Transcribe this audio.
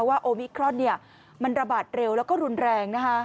โอมิครอนมันระบาดเร็วแล้วก็รุนแรง